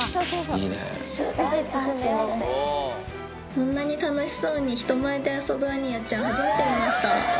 こんなに楽しそうに人前で遊ぶアニヤちゃん、初めて見ました。